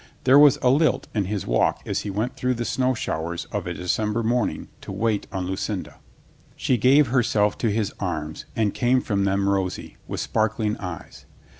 There was a lilt in his walk as he went through the snow showers of a December morning to wait on Lucinda. She gave herself to his arms and came from them rosy, with sparkling eyes.